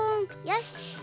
よし。